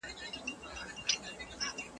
هر سړي ته خدای ورکړی خپل کمال دی.